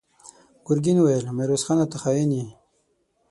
ګرګين وويل: ميرويس خانه! ته خاين يې!